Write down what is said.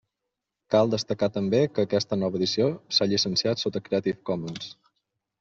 Cal destacar també que aquesta nova edició s'ha llicenciat sota Creative Commons.